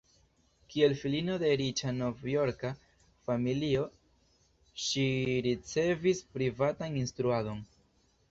Kiel filino de riĉa Novjorka familio, ŝi ricevis privatan instruadon.